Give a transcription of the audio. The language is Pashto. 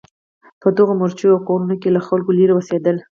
په دغو مورچو او کورونو کې یې له خلکو لرې اوسېدل.